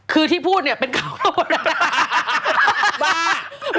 คือที่พูดเนี่ยเป็นเก่าตัวผมด้วย